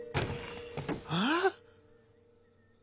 あっ！？